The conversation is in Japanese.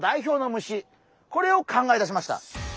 これを考え出しました。